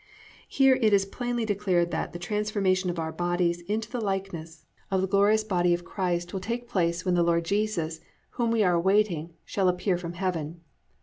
"+ Here it is plainly declared that _the transformation of our bodies into the likeness of the glorious body of Christ will take place when the Lord Jesus whom we are awaiting shall appear from heaven_.